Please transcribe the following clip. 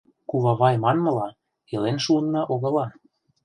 Кувавай манмыла, илен шуынна огыла...